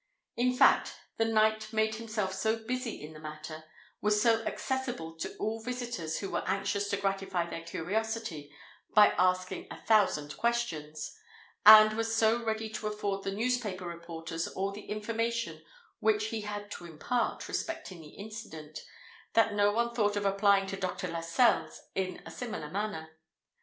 In fact, the knight made himself so busy in the matter—was so accessible to all visitors who were anxious to gratify their curiosity by asking a thousand questions—and was so ready to afford the newspaper reporters all the information which he had to impart respecting the incident, that no one thought of applying to Dr. Lascelles in a similar manner.